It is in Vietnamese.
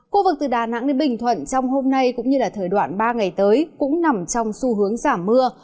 khu vực từ đà nẵng đến bình thuận trong hôm nay cũng như thời đoạn ba ngày tới cũng nằm trong xu hướng giảm mưa